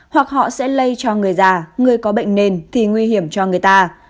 hoặc họ sẽ lây cho người già người có bệnh nền thì nguy hiểm cho người ta